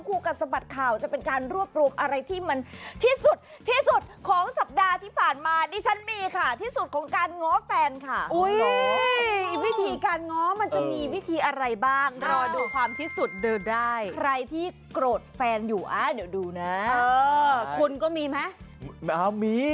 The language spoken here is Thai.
อุ๊ยแต่วันนี้คุณสุภาษณ์จาราหน้าขาวผิดปกตินะครับ